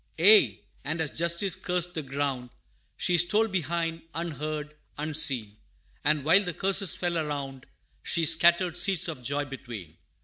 Aye, and as Justice cursed the ground, She stole behind, unheard, unseen And while the curses fell around, She scattered seeds of joy between.